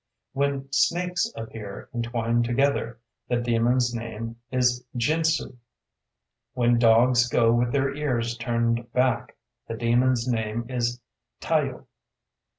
"When snakes appear entwined together, the demon's name is Jinzu. "When dogs go with their ears turned back, the demon's name is Taiyō.